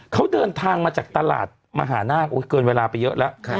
เขาเดินทางมาจากตลาดมหานาคเกินเวลาไปเยอะแล้ว